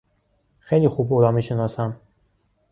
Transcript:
خیلی خوب او را میشناسم.